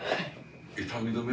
痛み止め